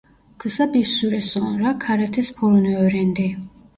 Kısa bir süre sonra karate sporunu öğrendi.